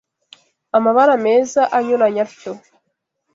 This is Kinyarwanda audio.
amabara meza anyuranye atyo